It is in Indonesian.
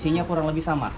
isinya kurang lebih sama